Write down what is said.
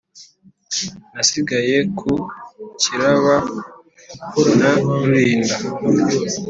nasigaye ku kiraba na rulinda